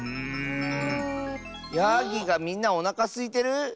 やぎがみんなおなかすいてる？